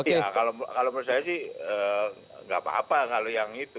iya kalau menurut saya sih nggak apa apa kalau yang itu